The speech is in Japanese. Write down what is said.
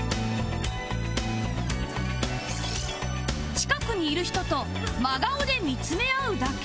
近くにいる人と真顔で見つめ合うだけ